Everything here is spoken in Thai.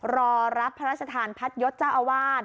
รอรับพระราชทานพัดยศเจ้าอาวาส